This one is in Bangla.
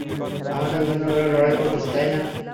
আমাদের জন্য ওরা লড়াই করছে, তাই না?